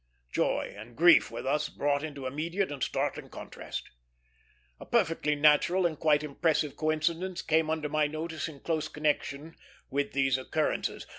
Joy and grief were thus brought into immediate and startling contrast. A perfectly natural and quite impressive coincidence came under my notice in close connection with these occurrences.